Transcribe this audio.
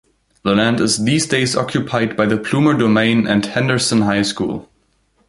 The land is these days occupied by the Plumer Domain and Henderson High School.